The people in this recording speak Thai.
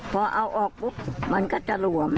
พอเอาออกปุ๊บมันก็จะหลวม